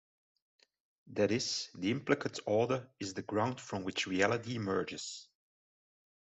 That is, the implicate order is the ground from which reality emerges.